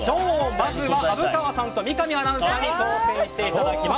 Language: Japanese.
まずは虻川さんと三上アナウンサーに挑戦していただきます。